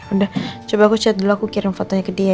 udah coba aku chat dulu aku kirim fotonya ke dia